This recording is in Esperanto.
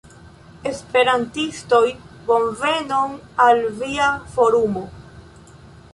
Esperantistoj, bonvenon al via Forumo!